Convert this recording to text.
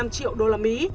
ba mươi năm triệu đô la mỹ